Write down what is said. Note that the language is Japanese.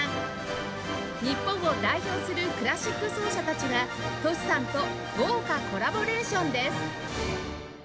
日本を代表するクラシック奏者たちが Ｔｏｓｈｌ さんと豪華コラボレーションです